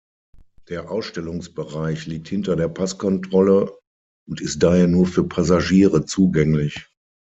Der Ausstellungsbereich liegt hinter der Passkontrolle und ist daher nur für Passagiere zugänglich.